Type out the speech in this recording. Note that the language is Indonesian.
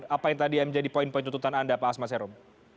apa yang tadi yang menjadi poin poin tuntutan anda pak asma serum